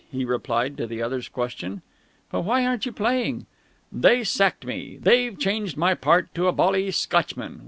he replied to the other's question. "But why aren't you playing?" "They sacked me! They've changed my part to a bally Scotchman!